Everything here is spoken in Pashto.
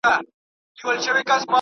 زه له سهاره سپينکۍ پرېولم.